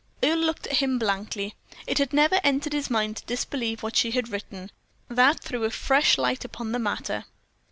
Earle looked at him blankly. It had never entered his mind to disbelieve what she had written. That threw a fresh light upon the matter.